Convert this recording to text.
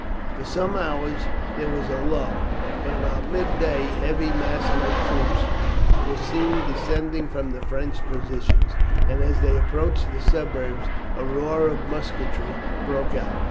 For some hours there was a lull, but about mid day heavy masses of troops were seen descending from the French positions, and as they approached the suburbs a roar of musketry broke out.